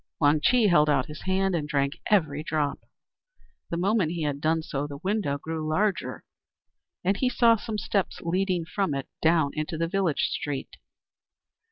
Wang Chih held out his hand, and drank every drop. The moment he had done so, the window grew larger, and he saw some steps leading from it down into the village street.